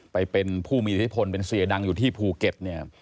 ไปเป็นผู้มีอิทธิพลเป็นเสียดังอยู่ที่ภูเก็ตเนี่ย